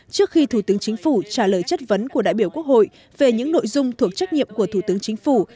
trước khi thủ tướng chính phủ trả lời chất vấn của đại biểu quốc hội về những nội dung thuộc trách nhiệm của thủ tướng chính phủ